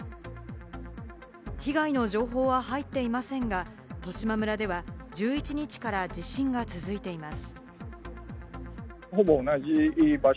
被害の情報は入っていませんが、十島村では１１日から地震が続いています。